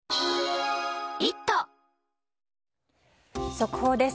速報です。